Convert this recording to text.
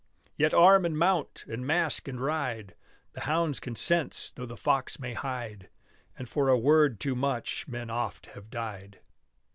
Yet arm and mount! and mask and ride! The hounds can sense though the fox may hide! And for a word too much men oft have died.